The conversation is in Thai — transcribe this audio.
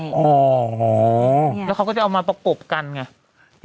ใช่อ๋อแล้วเขาก็จะเอามาปรกกกันไง